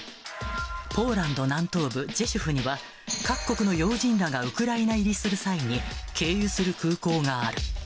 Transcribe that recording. ポーランド南東部ジェシュフには、各国の要人らがウクライナ入りする際に経由する空港がある。